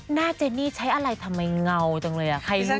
หน้าเจนนี่ใช้อะไรทำไมเงาจังเลยอะใครรู้นี่